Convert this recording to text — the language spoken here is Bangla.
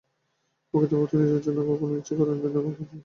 প্রকৃত ভক্ত নিজের জন্য কখনও কিছু ইচ্ছা করেন না বা কোন কার্য করেন না।